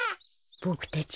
ボクたち